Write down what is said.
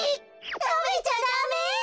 たべちゃダメ！